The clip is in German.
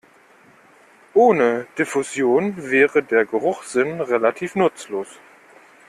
Ohne Diffusion wäre der Geruchssinn relativ nutzlos.